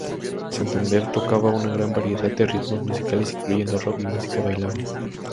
Sander tocaba una gran variedad de ritmos musicales incluyendo rock y música bailable.